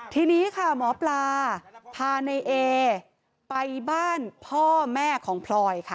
ทีนี้ค่ะหมอปลาพาในเอไปบ้านพ่อแม่ของพลอยค่ะ